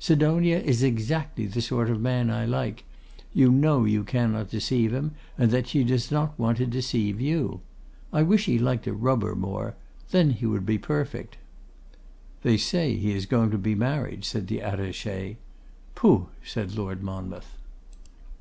Sidonia is exactly the sort of man I like; you know you cannot deceive him, and that he does not want to deceive you. I wish he liked a rubber more. Then he would be perfect.' 'They say he is going to be married,' said the Attaché. 'Poh!' said Lord Monmouth.